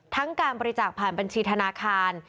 การบริจาคผ่านบัญชีธนาคาร